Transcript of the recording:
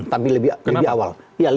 tapi lebih awal